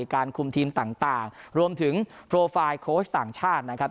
การคุมทีมต่างรวมถึงโปรไฟล์โค้ชต่างชาตินะครับ